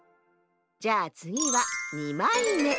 じゃあつぎは２まいめ。